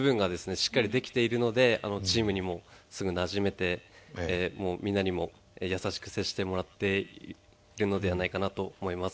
しっかりできているのでチームにもすぐなじめてみんなにも優しく接してもらっているのではないかなと思います。